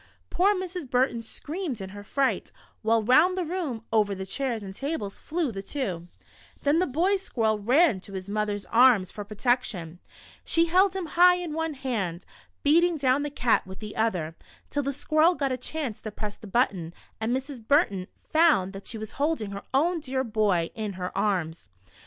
Poor Mrs. Burton screamed in her fright, while round the room, over chairs and tables, flew the two ! Then the boy squirrel ran to his mother's arms for I04 What the Squirrel Did for Richard. protection. She held him high in one hand, beat ing down the cat with the other, till the squirrel got a chance to press the button, and Mrs. Burton found that she was holding her own dear boy in her arms.